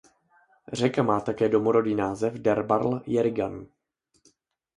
Řeka má také domorodý název Derbarl Yerrigan.